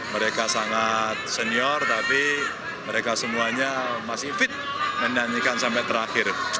mereka sangat senior tapi mereka semuanya masih fit menyanyikan sampai terakhir